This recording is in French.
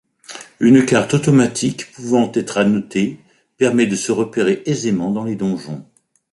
Une carte automatique pouvant être annotée permet de se repérer aisément dans les donjons.